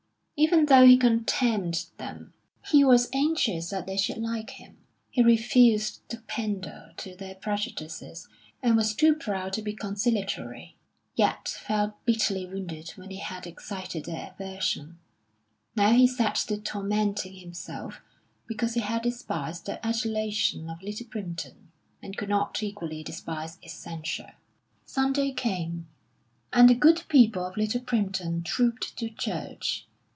Even though he contemned them, he was anxious that they should like him. He refused to pander to their prejudices, and was too proud to be conciliatory; yet felt bitterly wounded when he had excited their aversion. Now he set to tormenting himself because he had despised the adulation of Little Primpton, and could not equally despise its censure. Sunday came, and the good people of Little Primpton trooped to church.